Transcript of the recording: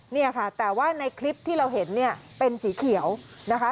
เนี่ยค่ะแต่ว่าในคลิปที่เราเห็นเนี่ยเป็นสีเขียวนะคะ